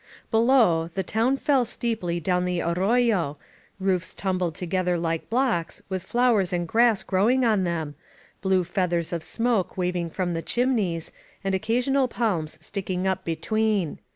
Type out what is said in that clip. Below, the town feU steeply down the arroyo, roofs tumbled together like blocks, with flowers and grass growing on them, blue feathers of smoke waving from the chimneys, and occasional palms sticking up between.